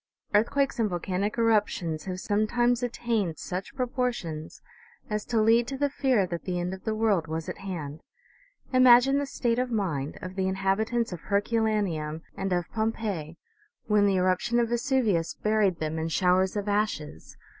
Earthquakes and volcanic eruptions have sometimes at tained such proportions as to lead to the fear that the end of the world was at hand. Imagine the state of mind of the inhabitants of Herculaneum and of Pompeii when the eruption of Vesuvius buried them in showers of ashes